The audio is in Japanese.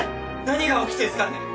何が起きてんすかね。